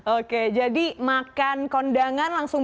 oke jadi makan kondangan langsung